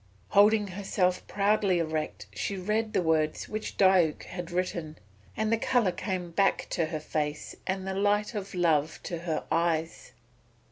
Holding herself proudly erect, she read the words which Diuk had written, and the colour came back to her face and the light of love to her eyes.